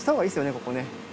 ここね。